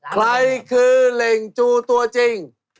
ใครคือเหล่งจูตัวจริง